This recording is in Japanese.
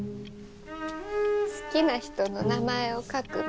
好きな人の名前を書くの。